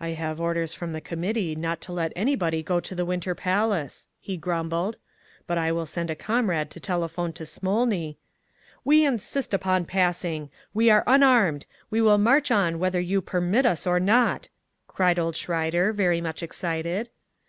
"I have orders from the Committee not to let anybody go to the Winter Palace," he grumbled. "But I will send a comrade to telephone to Smolny…." "We Insist upon passing! We are unarmed! We will march on whether you permit us or not!" cried old Schreider, very much excited.